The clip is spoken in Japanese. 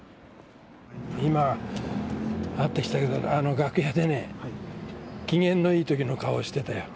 今、会ってきたけど、楽屋でね、機嫌のいいときの顔してたよ。